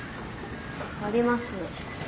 ありますね。